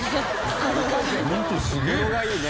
ホントすげえな。